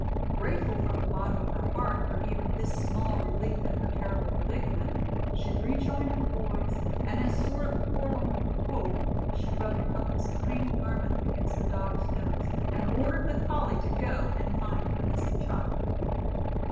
Grateful from the bottom of her heart for even this small relief in her terrible perdicament, she rejoined her boys, and as sort of forlorn hope, she rubbed Helen's tiny garment against the dog's nose, and ordered the collie to go and find the missing child.